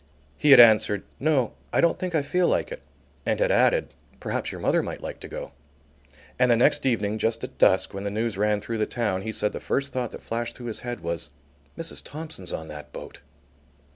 He had answered: "No, I don't think I feel like it," and had added: "Perhaps your mother might like to go." And the next evening just at dusk, when the news ran through the town, he said the first thought that flashed through his head was: "Mrs. Thompson's on that boat."